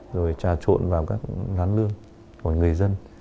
rồi trà trộn vào các nán lương của người dân